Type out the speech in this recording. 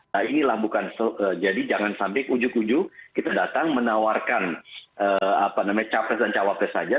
nah inilah bukan jadi jangan sampai ujug ujug kita datang menawarkan capres dan cawapres saja